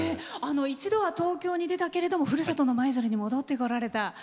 一度は東京に出たけれどふるさとの舞鶴に戻ってこられた。